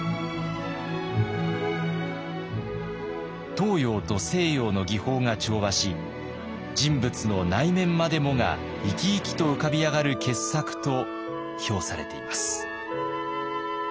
東洋と西洋の技法が調和し人物の内面までもが生き生きと浮かび上がる傑作と評されています。